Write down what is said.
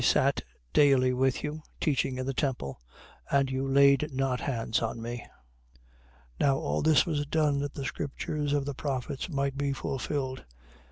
I sat daily with you, teaching in the temple: and you laid not hands on me. 26:56. Now all this was done that the scriptures of the prophets might be fulfilled.